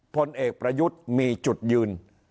พลเอกประยุทธ์มีจุดยืน